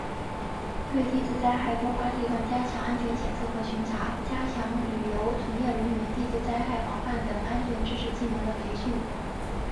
对地质灾害多发地段加强安全监测和巡查；加强旅游从业人员地质灾害防范等安全知识技能的培训